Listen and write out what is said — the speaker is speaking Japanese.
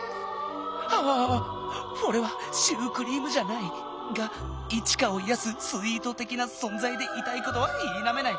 アワワワフォレはシュークリームじゃない！がイチカをいやすスイートてきなそんざいでいたいことはいなめない！